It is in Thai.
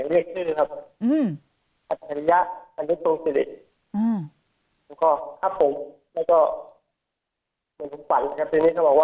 ว่าจริงหรือไม่